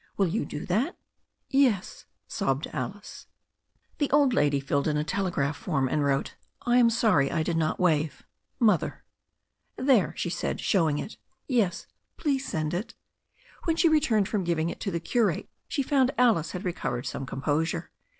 Will you do that?" "Yes," sobbed Alice. S46 THE STORY OF A NEW ZEALAND RIVER The old lady filled in a telegraph form and wrote: "I am sorry I did not wave — ^Mother." "There," she said, showing it. "Yes, please send it." When she returned from giving it to the curate she found Alice had recovered some composure.